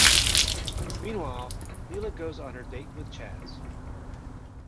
Meanwhile, Leela goes on her date with Chaz.